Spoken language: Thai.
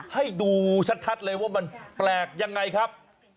ให้ดูชัดเลยว่ามันแปลกยังไงครับ